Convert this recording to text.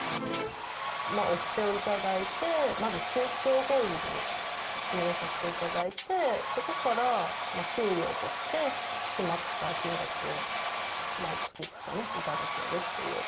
お布施を頂いて、まず宗教法人に入れさせていただいて、そこから給料として決まった金額を、毎月ですかね、頂けるっていう。